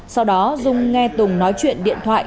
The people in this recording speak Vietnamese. sau đó dung nghe tùng nói chuyện điện thoại